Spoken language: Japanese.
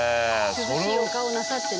涼しいお顔をなさってね。